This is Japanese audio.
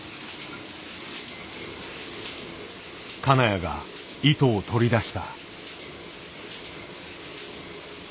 金谷が糸を取り出した。